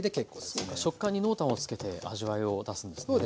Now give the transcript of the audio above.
そうか食感に濃淡をつけて味わいを出すんですね。